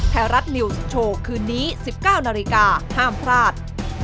ไทยรัฐนิวส์โชว์คืนนี้๑๙นาฬิกาห้ามพลาด